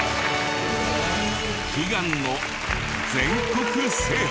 悲願の全国制覇！